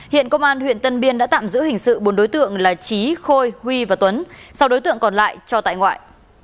hiện công an huyện tân biên đã tạm giữ hình sự bốn đối tượng là trí khôi huy và tuấn sau đối tượng còn lại cho tại ngoại